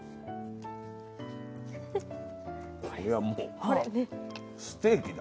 これはもうステーキだ。